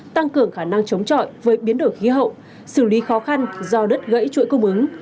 tăng cường khả năng chống chọi với biến đổi khí hậu xử lý khó khăn do đứt gãy chuỗi cung ứng